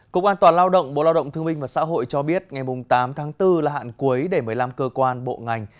cục an toàn lao động bộ lao động thương minh và xã hội cho biết ngày tám tháng bốn là hạn cuối để một mươi năm cơ quan bộ ngành